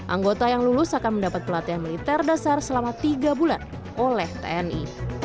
anggota yang lulus akan mendapat pelatihan militer dasar selama tiga bulan oleh tni